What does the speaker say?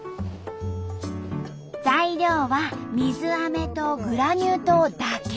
材料は水アメとグラニュー糖だけ。